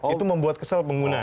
itu membuat kesel pengguna